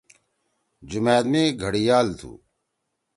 جمأت می گھڑیال تُھو۔